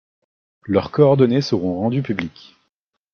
Leurs coordonnées seront rendues publiques.